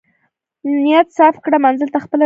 نیت صفاء کړه منزل ته خپله رسېږې.